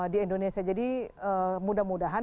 di indonesia jadi mudah mudahan